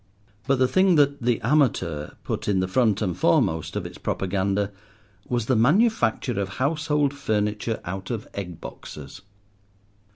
But the thing that The Amateur put in the front and foremost of its propaganda was the manufacture of household furniture out of egg boxes.